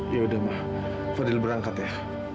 yaudah ma fadil berangkat ya